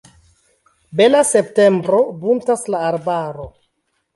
Bela septembro - buntas la arbaro.